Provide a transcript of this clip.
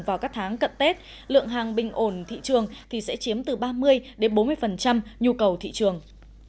vào các tháng cận tết lượng hàng bình ổn thị trường thì sẽ chiếm từ ba mươi bốn mươi nhu cầu thị trường